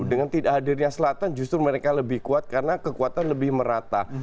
dengan tidak hadirnya selatan justru mereka lebih kuat karena kekuatan lebih merata